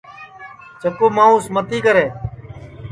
چکُو مانٚوس متی کرے